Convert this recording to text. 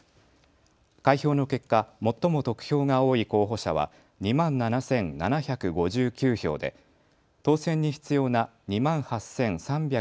開票の結果、最も得票が多い候補者は２万７７５９票で当選に必要な２万８３４８．７５